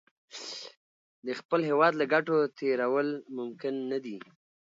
د خپل هېواد له ګټو تېرول ممکن نه دي.